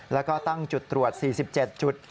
แล้วก็ตั้งจุดตรวจ๔๗จุด